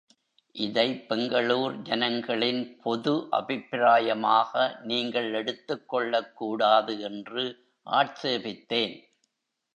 இதைப் பெங்களூர் ஜனங் களின் பொது அபிப்பிராயமாக நீங்கள் எடுத்துக் கொள்ளக் கூடாது என்று ஆட்சேபித்தேன்.